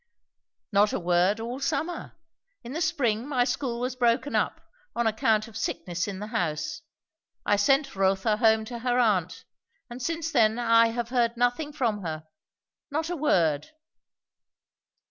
"Not a word all summer. In the spring my school was broken up, on account of sickness in the house; I sent Rotha home to her aunt; and since then I have heard nothing from her. Not a word."